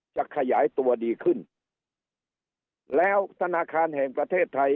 จะขยายตัวดีขึ้นแล้วธนาคารแห่งประเทศไทย